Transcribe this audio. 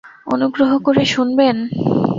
অনুগ্রহ করে শুনবেন।